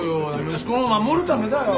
息子を守るためだよ。